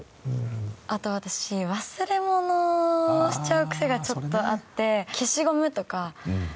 あと私忘れ物をしちゃう癖がちょっとあって。